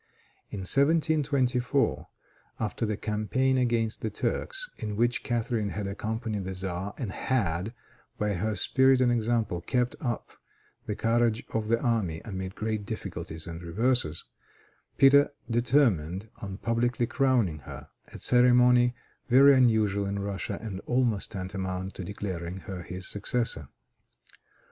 In 1724, after the campaign against the Turks, in which Catharine had accompanied the Czar, and had, by her spirit and example, kept up the courage of the army amid great difficulties and reverses, Peter determined on publicly crowning her; a ceremony very unusual in Russia, and almost tantamount to declaring her his successor.